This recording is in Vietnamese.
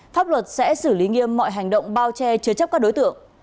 pháp luật sẽ xử lý nghiêm mọi hành động bao che chứa chấp các đối tượng